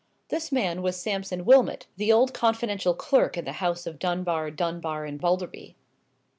This man was Sampson Wilmot, the old confidential clerk in the house of Dunbar, Dunbar, and Balderby.